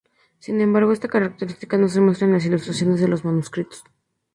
Sin embargo, esta característica no se muestra en las ilustraciones de los manuscritos.